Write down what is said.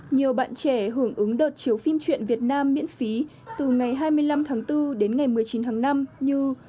nhiều bạn trẻ hưởng ứng đợt chiếu phim truyện việt nam miễn phí từ ngày hai mươi năm tháng bốn đến ngày một mươi chín tháng năm như